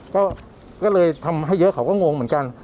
ก็เลยทำให้เยอะเขาก็งงเหมือนกัน